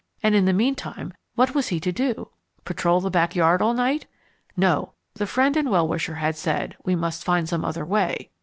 and in the meantime, what was he to do? Patrol the back yard all night? No, the friend and well wisher had said "We must find some other way."